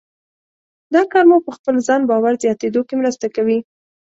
دا کار مو په خپل ځان باور زیاتېدو کې مرسته کوي.